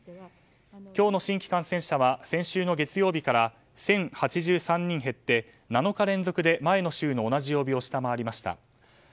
今日の新規感染者は先週の月曜日から１０８３人減って７日連続で前の週の同じ曜日を下回りました。